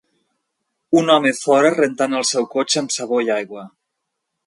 Un home fora rentant el seu cotxe amb sabó i aigua.